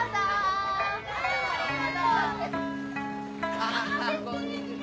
「あこんにちは。